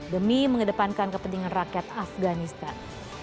demi mengedepankan kepentingan rakyat afganistan